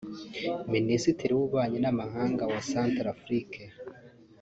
Minisitiri w’Ububanyi n’Amahanga wa Centre Afrique